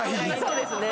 そうですね。